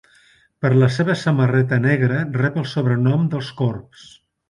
Per la seva samarreta negra rep el sobrenom dels corbs.